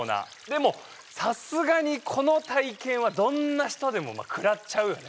でもさすがにこの体験はどんな人でもくらっちゃうよね。